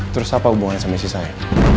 terus apa hubungannya sama si saya